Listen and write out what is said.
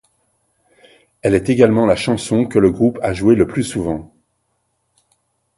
Elle est également la chanson que le groupe a joué le plus souvent.